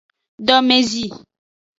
Domezi.